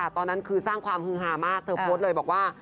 ตอนนั้นคือสร้างความฮือฮามากเธอโพสต์เลยบอกว่า